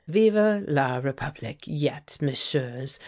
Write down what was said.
"Vive la République! yet, Messieurs!